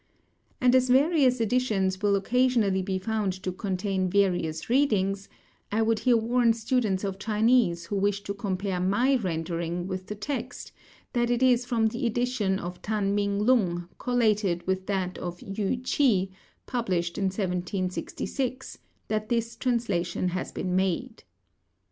And as various editions will occasionally be found to contain various readings, I would here warn students of Chinese who wish to compare my rendering with the text, that it is from the edition of Tan Ming lun, collated with that of Yü Chi, published in 1766, that this translation has been made.